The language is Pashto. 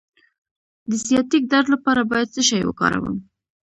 د سیاتیک درد لپاره باید څه شی وکاروم؟